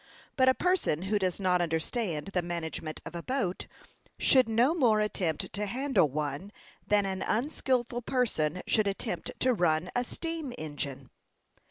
But a person who does not understand the management of a boat should no more attempt to handle one than an unskilful person should attempt to run a steam engine.